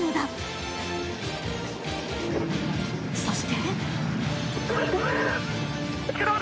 そして。